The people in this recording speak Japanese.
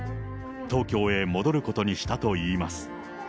東京へ戻ることにしたといいます。